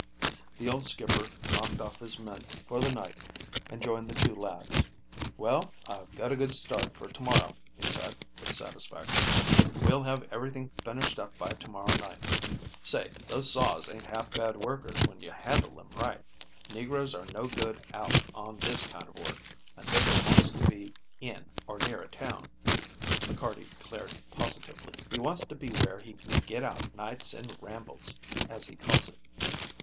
The old skipper knocked off his men for the night and joined the two lads. "Well, I've got a good start for to morrow," he said, with satisfaction. "We'll have everything finished up by to morrow night. Say, those Saws ain't half bad workers when you handle them right." "Negroes are no good out on this kind of work. A nigger wants to be in or near a town," McCarty declared positively. "He wants to be where he can get out nights and 'rambles,' as he calls it.